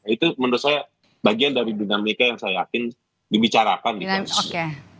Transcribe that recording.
itu menurut saya bagian dari dinamika yang saya yakin dibicarakan di indonesia